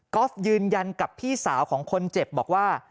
อล์ฟยืนยันกับพี่สาวของคนเจ็บบอกว่า